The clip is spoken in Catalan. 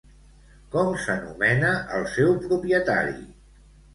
Com s'anomena el seu propietari?